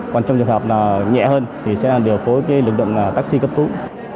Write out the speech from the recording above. còn trong trường hợp nhẹ hơn thì sẽ điều phối lực lượng taxi cấp cứu